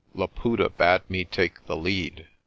Laputa bade me take the lead.